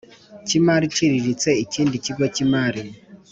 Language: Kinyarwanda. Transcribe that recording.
cy imari iciriritse ikindi kigo cy imari